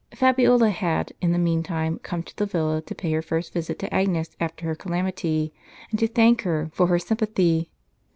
Fabiola had, in the meantime, come to the villa to j^ay her first visit to Agnes after her calamity, and to thank her for her sympathy.